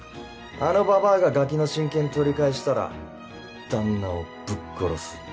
あのばばあがガキの親権取り返したら旦那をぶっ殺す。